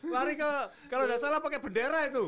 lari ke kalau tidak salah pakai bendera itu